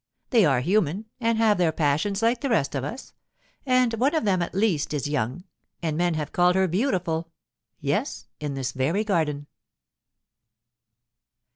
They are human, and have their passions like the rest of us; and one of them at least is young, and men have called her beautiful—yes, in this very garden.